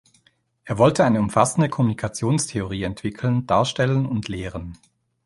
Er wollte eine umfassende Kommunikationstheorie entwickeln, darstellen und lehren.